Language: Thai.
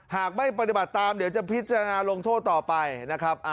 หากไม่ปฏิบัติตามเดี๋ยวจะพิจารณาลงโทษต่อไปนะครับ